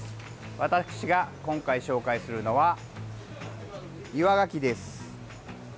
私が今回紹介するのは岩がきです。